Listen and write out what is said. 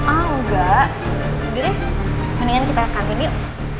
ah enggak gitu deh mendingan kita gantiin yuk